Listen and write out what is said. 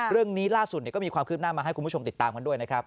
เรื่องนี้ล่าสุดก็มีความคืบหน้ามาให้คุณผู้ชมติดตามกันด้วยนะครับ